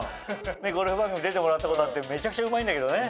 ゴルフ番組出てもらったことあってめちゃくちゃうまいんだけどね。